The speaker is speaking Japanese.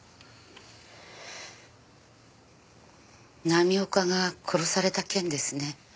浪岡が殺された件ですね。